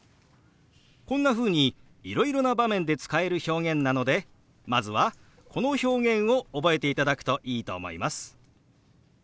こんなふうにいろいろな場面で使える表現なのでまずはこの表現を覚えていただくといいと思います。